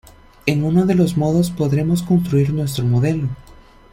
En uno de los modos podremos construir nuestro modelo.